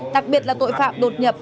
đặc biệt là tội phạm đột nhập